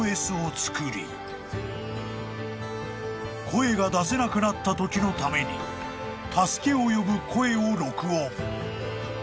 ［声が出せなくなったときのために助けを呼ぶ声を録音］